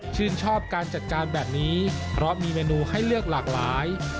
ชื่นชอบการจัดการแบบนี้เพราะมีเมนูให้เลือกหลากหลาย